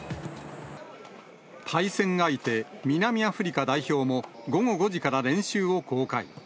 対戦相手、南アフリカ代表も、午後５時から練習を公開。